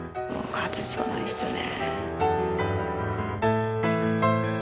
勝つしかないですよね。